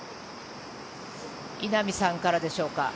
稲見さんからでしょうか。